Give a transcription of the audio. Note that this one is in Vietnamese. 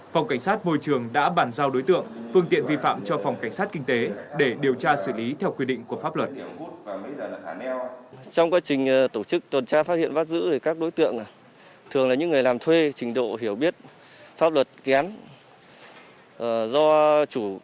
phòng cảnh sát môi trường đã bàn giao đối tượng phương tiện vi phạm cho phòng cảnh sát kinh tế để điều tra xử lý theo quy định của pháp luật